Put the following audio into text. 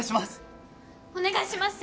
お願いします！